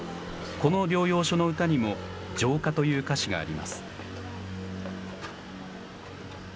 この療養所の歌にも、浄化という歌詞があります。